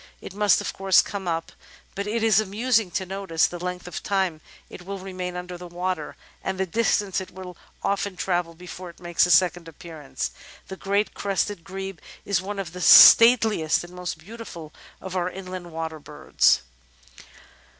It must, of course, come up, but it is amusing to notice the length of time it will remain under the water, and the distance it will often travel before it makes a second appearance. The Great Crested Grebe is one of the stateliest and most beautiful of our inland water birds.